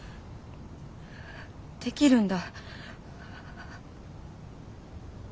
できるんだ。